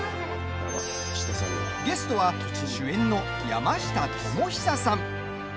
ゲストは、主演の山下智久さん。